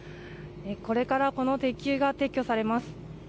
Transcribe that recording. これからこの鉄球が撤去されます。